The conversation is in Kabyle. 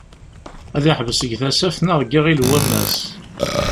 Ad yeḥbes deg Tasaft neɣ deg Iɣil n wammas?